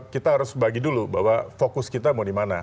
kita harus bagi dulu bahwa fokus kita mau dimana